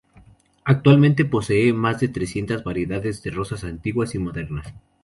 Actualmente posee más de trescientas variedades de rosas antiguas y modernas.